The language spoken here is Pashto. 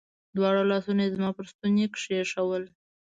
دواړه لاسونه يې زما پر ستوني کښېښوول.